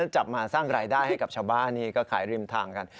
จับมาสร้างรายได้ให้กับชาวบ้านนี่ก็ขายริมทางกัน